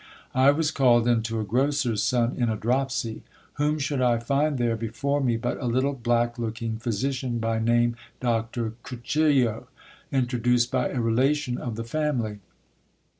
I was. called in to a grocers son in a dropsy. Whom should I find th ;re before me but a little black looking physician, by name Doctor Cuchillo, int reduced by a relation of the family.